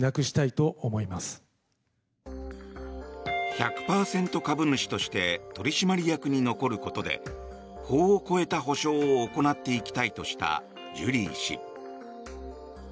１００％株主として取締役に残ることで法を超えた補償を行っていきたいとしたジュリー氏。